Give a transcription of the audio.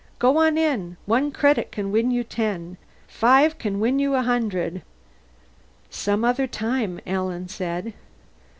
"Go on in. One credit can win you ten. Five can get you a hundred." "Some other time," Alan said.